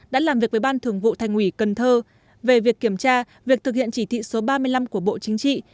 đã làm việc với ban thường vụ thành ủy cần thơ về việc kiểm tra việc thực hiện chỉ thị số ba mươi năm của bộ chính trị